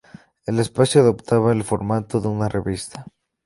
El espacio adoptaba el formato de una revista.